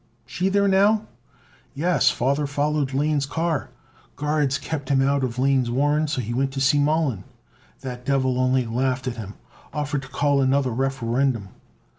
"She there now?" "Yes. Father followed Lane's car. Guards kept him out of Lane's warren, so he went to see Mollon. That devil only laughed at him, offered to call another Referendum.